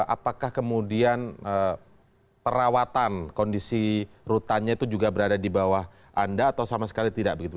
apakah kemudian perawatan kondisi rutannya itu juga berada di bawah anda atau sama sekali tidak begitu